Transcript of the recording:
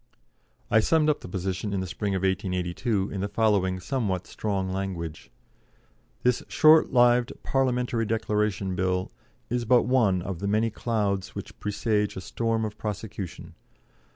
I summed up the position in the spring of 1882 in the following somewhat strong language: "This short lived 'Parliamentary Declaration Bill' is but one of the many clouds which presage a storm of prosecution.